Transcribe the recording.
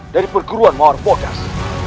dari perguruan mahapodas